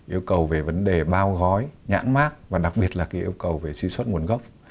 yêu cầu về vấn đề bao gói nhãn mác và đặc biệt là yêu cầu về truy xuất nguồn gốc